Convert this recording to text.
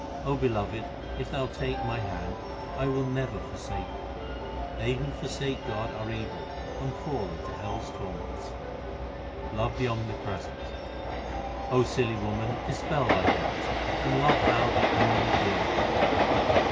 O Beloved, if Thou take my hand, I will never forsake Thee. They who forsake God are evil and fall into hell s tor ments. Love the Omnipresent : O silly woman, dispel thy doubts, and love thou the only dear One.